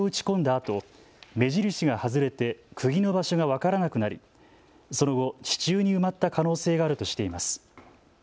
あと目印が外れてくぎの場所が分からなくなりその後、地中に埋まった可能性があるとしています。